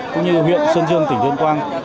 cũng như huyện sơn dương tỉnh đơn quang